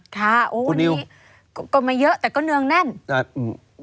ค่ะวันนี้ก็ไม่เยอะแต่ก็เหนื่องแน่น